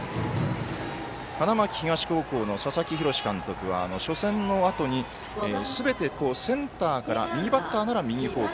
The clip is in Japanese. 花巻東の佐々木洋監督はすべてセンターから右バッターなら右方向